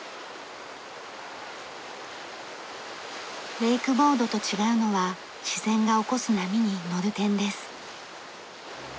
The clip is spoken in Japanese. ウェイクボードと違うのは自然が起こす波に乗る点です。